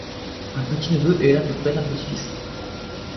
Un petit-neveu est l'à peu près d'un petit-fils.